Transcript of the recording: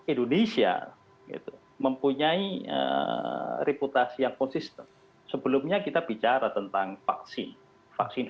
indonesia mempunyai reputasi yang konsisten sebelumnya kita bicara tentang vaksin vaksin